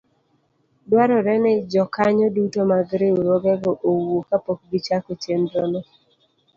dwarore ni jokanyo duto mag riwruogego owuo kapok gichako chenrono.